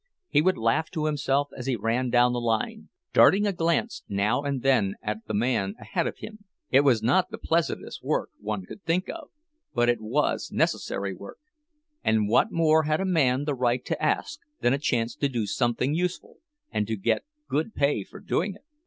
He would laugh to himself as he ran down the line, darting a glance now and then at the man ahead of him. It was not the pleasantest work one could think of, but it was necessary work; and what more had a man the right to ask than a chance to do something useful, and to get good pay for doing it?